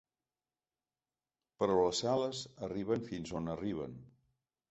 Però les sales arriben fins on arriben.